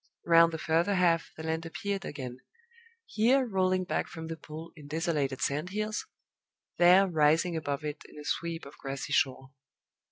Round the further half, the land appeared again, here rolling back from the pool in desolate sand hills, there rising above it in a sweep of grassy shore.